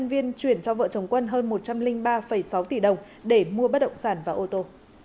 viên chuyển cho vợ chồng quân hơn một trăm linh ba sáu tỷ đồng để mua bất động sản và ô tô